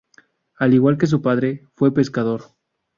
Al igual que su padre, fue pescador.